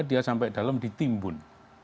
dia sampai dalam ditimbun